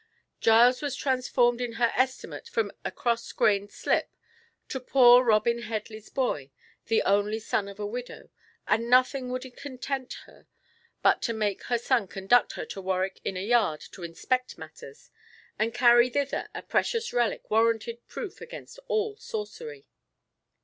Giles was transformed in her estimate from a cross grained slip to poor Robin Headley's boy, the only son of a widow, and nothing would content her but to make her son conduct her to Warwick Inner Yard to inspect matters, and carry thither a precious relic warranted proof against all sorcery.